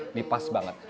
ini pas banget